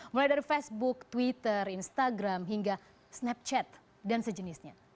mulai dari facebook twitter instagram hingga snapchat dan sejenisnya